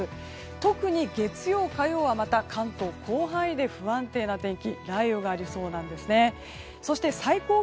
特に月曜、火曜は関東、広範囲で不安定な天気。